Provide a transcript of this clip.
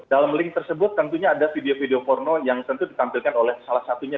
dalam link tersebut tentunya ada video video porno yang tentu ditampilkan oleh salah satunya